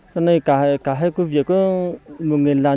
trong đây cả hai công việc có một người làm